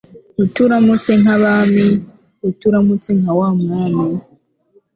Uturamutse nk'Abami Uturamutse nka wa Mwami,